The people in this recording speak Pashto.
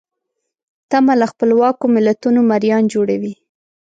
تمه له خپلواکو ملتونو مریان جوړوي.